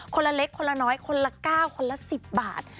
คนละเล็กคนละน้อยคนละ๙คนละ๑๐บาท